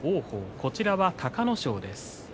こちらは隆の勝です。